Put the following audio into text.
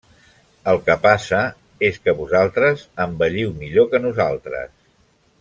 El que passa és que els vosaltres envelliu millor que nosaltres.